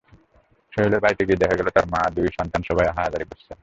সোহেলের বাড়িতে গিয়ে দেখা গেল তাঁর মা, দুই সন্তান—সবাই আহাজারি করছেন।